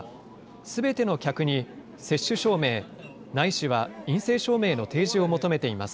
すべての客に接種証明ないしは陰性証明の提示を求めています。